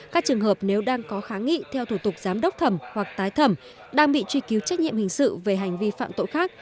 các trường hợp nếu đang có kháng nghị theo thủ tục giám đốc thẩm hoặc tái thẩm đang bị truy cứu trách nhiệm hình sự về hành vi phạm tội khác